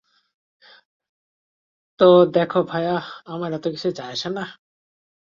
তো দেখো ভায়া, আমার এতে কিছুই যায় আসেনা।